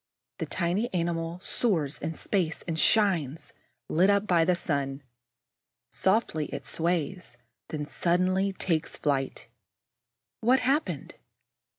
The tiny animal soars in space and shines, lit up by the sun. Softly it sways, then suddenly takes flight. What has happened?